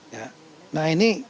ya nah ini